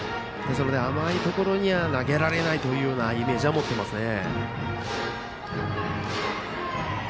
甘いところには投げられないというイメージは持ってますね。